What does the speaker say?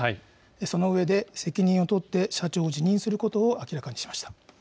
そのうえで責任を取って社長を辞任することを明らかにしました。